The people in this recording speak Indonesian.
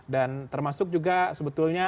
dan termasuk juga sebetulnya